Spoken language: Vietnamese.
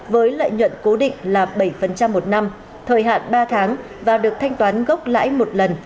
với lợi nhuận cố định là bảy một năm thời hạn ba tháng và được thanh toán gốc lãi một lần